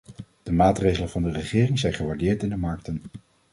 De maatregelen van de regering zijn gewaardeerd in de markten.